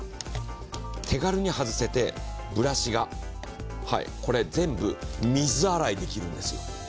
ポン、手軽に外せて、ブラシがこれ全部、水洗いできるんです。